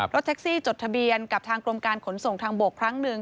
รถแท็กซี่จดทะเบียนกับทางกรมการขนส่งทางบกครั้งหนึ่ง